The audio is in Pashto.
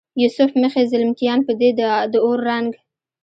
یوسف مخې زلمکیان به دې د اور رنګ،